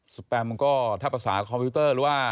แปมก็ถ้าภาษาคอมพิวเตอร์หรือว่า